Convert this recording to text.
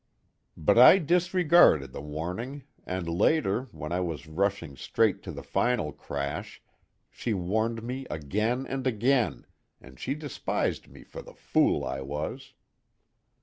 But, I disregarded the warning, and later, when I was rushing straight to the final crash, she warned me again and again, and she despised me for the fool I was.